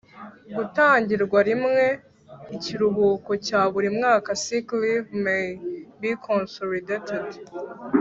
gutangirwa rimwe Ikiruhuko cya buri mwaka sick leave may be consolidated